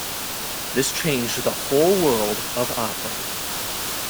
This changed the whole world of opera.